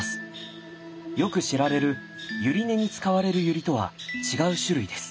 よく知られるユリ根に使われるユリとは違う種類です。